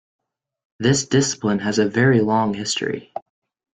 This discipline has a very long history.